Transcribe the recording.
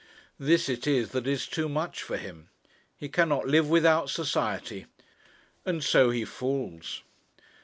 This it is, that is too much for him. He cannot live without society, and so he falls.